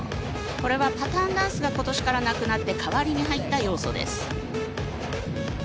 これはパターンダンスが今年からなくなって代わりに入った要素です。